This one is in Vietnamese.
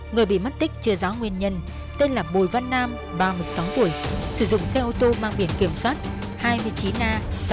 người bị mất tích chưa rõ nguyên nhân tên là bùi văn nam ba mươi sáu tuổi sử dụng xe ô tô mang biển kiểm soát hai mươi chín a sáu mươi hai nghìn hai trăm chín mươi chín